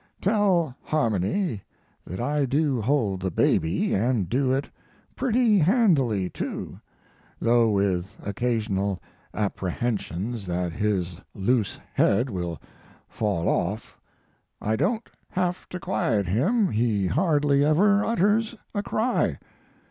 Tell Harmony that I do hold the baby, and do it pretty handily too, though with occasional apprehensions that his loose head will fall off. I don't have to quiet him; he hardly ever utters a cry.